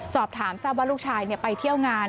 สอบถามทราบว่าลูกชายไปเที่ยวงาน